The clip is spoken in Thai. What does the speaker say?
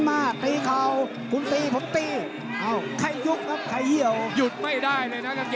ว่ายังไงสถานการณ์ไม่สวยครับ